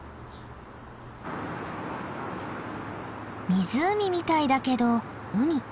湖みたいだけど海。